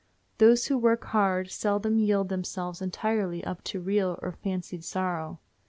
Those who work hard seldom yield themselves entirely up to real or fancied sorrow.